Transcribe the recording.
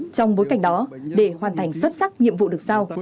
trong bối cảnh đó để hoàn thành xuất sắc nhiệm vụ được sao